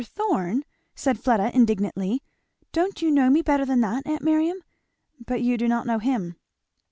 Thorn!" said Fleda indignantly. "Don't you know me better than that, aunt Miriam? But you do not know him."